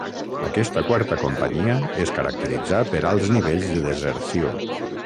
Aquesta quarta companyia es caracteritzà per alts nivells de deserció.